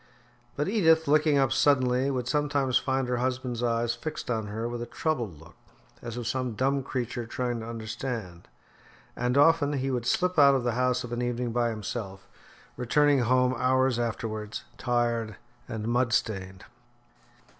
But Edith, looking up suddenly, would sometimes find her husband's eyes fixed on her with a troubled look as of some dumb creature trying to understand; and often he would slip out of the house of an evening by himself, returning home hours afterwards, tired and mud stained.